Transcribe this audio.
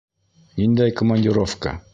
Ниндәй командировка?